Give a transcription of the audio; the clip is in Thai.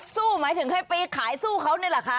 อ๋อสู้ไหมถึงให้ไปขายสู้เขาแน่นอนล่ะคะ